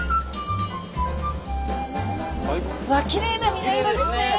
わっきれいな身の色ですね。